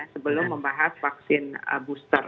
sebelum membahas vaksin booster